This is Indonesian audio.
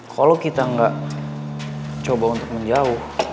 kalau kita nggak coba untuk menjauh